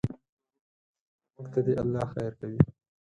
موږ ته دې الله خیر کوي.